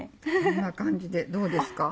こんな感じでどうですか？